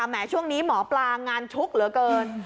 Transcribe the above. แม้ช่วงนี้หมอปลางานชุกเหลือเกิน